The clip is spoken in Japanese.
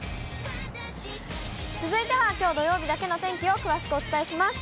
続いてはきょう土曜日だけの天気を詳しくお伝えします。